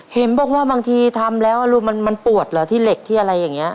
เห็นบอกว่าบางทีทำแล้วลูกมันปวดเหรอที่เหล็กที่อะไรอย่างนี้